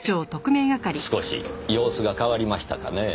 少し様子が変わりましたかねぇ。